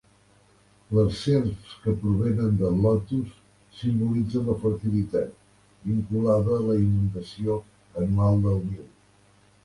Les serps que provenen del lotus simbolitzen la fertilitat, vinculada a la inundació anual de Nil.